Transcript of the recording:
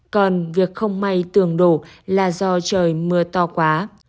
còn việc không may tường đổ là do trời mưa to quá